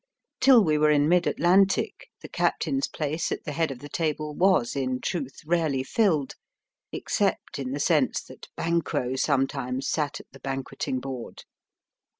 Till we were in mid Atlantic the captain's place at the head of the table was, in truth, rarely filled, except in the sense that Banquo sometimes sat at the ban quetting board.